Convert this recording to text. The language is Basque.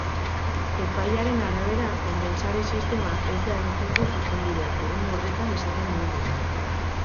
Epaiaren arabera ordainsari sistema ez da egokitzen zuzenbideak eremu horretan esaten duenera.